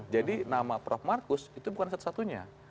jadi nama prof markus itu bukan satu satunya